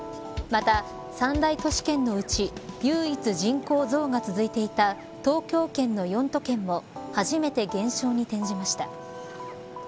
また、３大都市圏のうち唯一、人口増が続いていた東京圏の４都県も初めて減少に転じました。